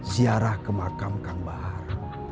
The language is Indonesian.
ziarah ke makam kang bahar